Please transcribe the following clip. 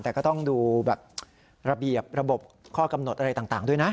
แต่ก็ต้องดูแบบระเบียบระบบข้อกำหนดอะไรต่างด้วยนะ